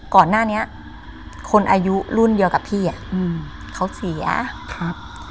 ก่อนหน้านี้คนอายุรุ่นเดียวกับพี่อ่ะอืมเขาเสียครับ